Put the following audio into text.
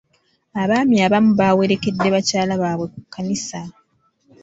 Abaami abamu baawerekedde bakyala baabwe ku kkanisa.